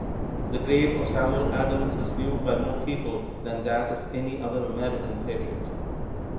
The grave of Samuel Adams is viewed by more people than that of any other American patriot.